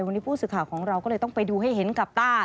วันนี้ผู้สื่อข่าวของเราก็เลยต้องไปดูให้เห็นกับต้า